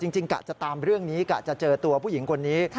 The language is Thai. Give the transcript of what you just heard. กะจะตามเรื่องนี้กะจะเจอตัวผู้หญิงคนนี้